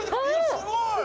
すごい！